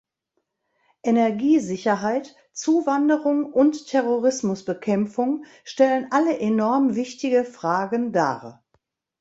Energiesicherheit, Zuwanderung und Terrorismusbekämpfung stellen alle enorm wichtige Fragen dar.